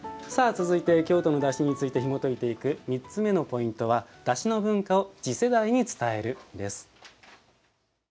続いて京都のだしについてひもといていく３つ目のポイントは「だしの文化を次世代に伝える」です。